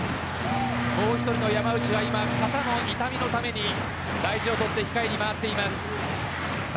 もう１人の山内は肩の痛みのために大事を取って控えに回っています。